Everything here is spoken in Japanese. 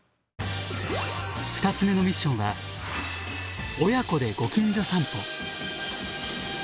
２つ目のミッションは「親子でご近所さんぽ」。